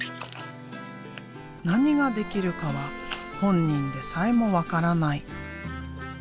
何ができるかは本人でさえも分からない。